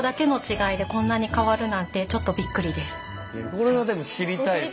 これはでも知りたいですね。